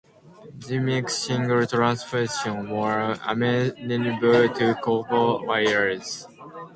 This makes signal transmission more amenable to copper wires.